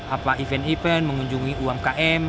apa event event mengunjungi uang km